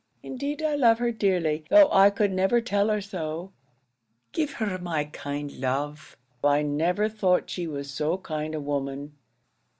Indeed I love her dearly, though I could never tell her so. Give her my kind love. I never thought she was so kind a woman."